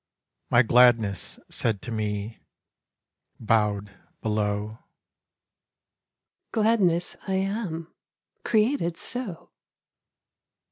My Gladness said to me, bowed below, 'Gladness I am: created so.'